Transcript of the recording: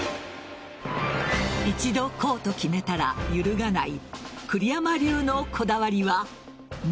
一度こうと決めたら揺るがない